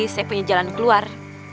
saya punya jalan keluar